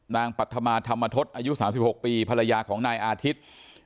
ปัธมาธรรมทศอายุ๓๖ปีภรรยาของนายอาทิตย์